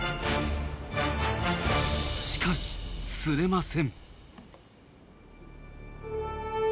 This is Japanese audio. しかし釣れません。